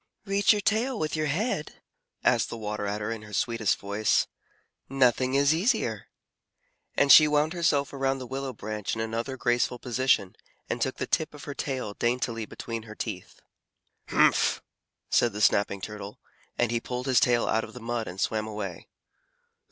"Reach your tail with your head?" asked the Water Adder in her sweetest voice. "Nothing is easier." And she wound herself around the willow branch in another graceful position, and took the tip of her tail daintily between her teeth. "Humph!" said the Snapping Turtle, and he pulled his tail out of the mud and swam away.